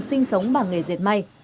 sinh sống bằng nghề diệt may